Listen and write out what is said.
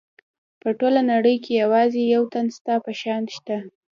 په ټوله نړۍ کې یوازې یو تن ستا په شان شته.